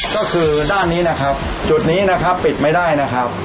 ก็คือด้านนี้นะครับจุดนี้นะครับปิดไม่ได้นะครับ